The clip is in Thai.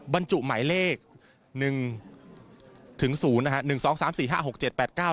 บรรจุหมายเลข๑ถึง๐นะครับ